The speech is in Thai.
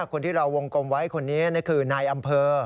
คนที่เราวงกลมไว้คนนี้คือนายอำเภอ